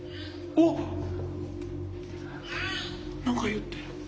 何か言ってる。